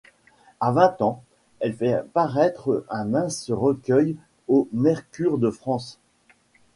À vingt ans, elle fait paraître un mince recueil au Mercure de France.